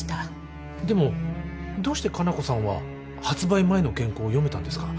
でもどうして加奈子さんは発売前の原稿を読めたんですか？